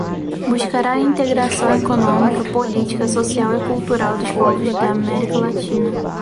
buscará a integração econômica, política, social e cultural dos povos da América Latina